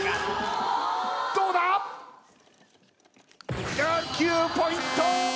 ⁉どうだ⁉９ポイント！